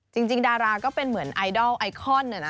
จริงดาราก็เป็นเหมือนไอดอลไอคอน